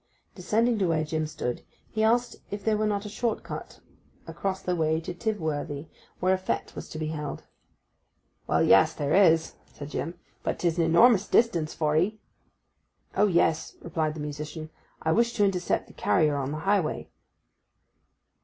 Descending to where Jim stood, he asked if there were not a short cut across that way to Tivworthy, where a fête was to be held. 'Well, yes, there is,' said Jim. 'But 'tis an enormous distance for 'ee.' 'Oh, yes,' replied the musician. 'I wish to intercept the carrier on the highway.